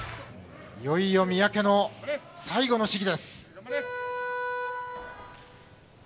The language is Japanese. いよいよ三宅の最後の試技です。